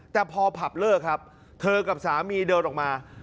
แต่พอผับเลิกครับเธอกับสามีเดินออกมา